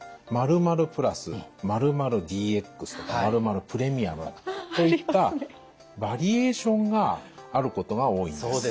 「○○プラス」「○○ＥＸ」とか「○○プレミアム」といったバリエーションがあることが多いんです。